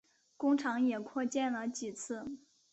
工厂也扩建了几次。